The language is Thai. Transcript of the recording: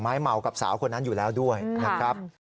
เมากับสาวคนนั้นอยู่แล้วด้วยนะครับ